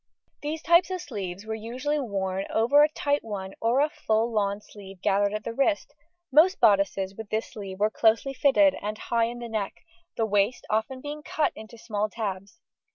These types of sleeves were usually worn over a tight one or a full lawn sleeve gathered at the wrist; most bodices with this sleeve were closely fitted and high in the neck, the waist often being cut into small tabs.